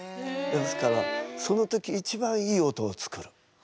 ですからその時一番いい音を作る。